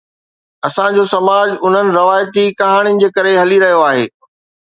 اسان جو سماج انهن روايتي ڪهاڻين جي ڪري هلي رهيو آهي